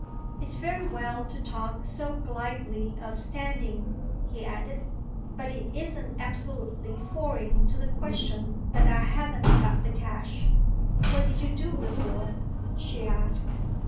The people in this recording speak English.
It's very well to talk so glibly of standing," he added; "but it isn't absolutely foreign to the question that I haven't got the cash." "What did you do before?" she asked.